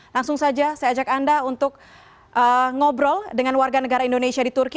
langsung saja saya ajak anda untuk ngobrol dengan warga negara indonesia di turki